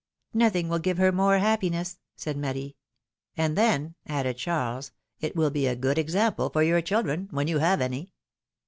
^' Nothing will give her more happiness,^^ said Marie. ^^And then,^^ added Charles, it will be a good example for your children^ — when you have any.